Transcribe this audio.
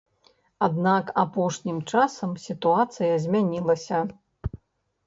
Аднак апошнім часам сітуацыя змянілася.